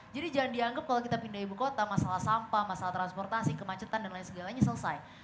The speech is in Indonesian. jadi jangan dianggap kalau kita pindah ibu kota masalah sampah masalah transportasi kemacetan dan lain lainnya selesai